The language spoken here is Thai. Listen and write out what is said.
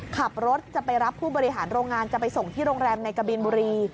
ขับรถจะไปรับผู้บริหารโรงงานจะไปส่งที่โรงแรมในกะบินบุรี